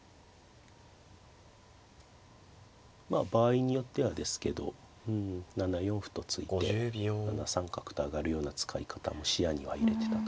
まあ場合によってはですけど７四歩と突いて７三角と上がるような使い方も視野には入れてたと。